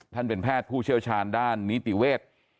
เป็นแพทย์ผู้เชี่ยวชาญด้านนิติเวทย์